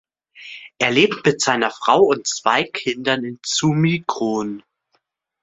Er lebt mit seiner Frau und zwei Kindern in Zumikon.